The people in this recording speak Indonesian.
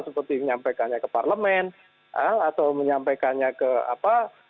seperti menyampaikannya ke parlemen atau menyampaikannya ke apa